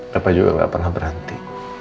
bapak juga gak pernah berhenti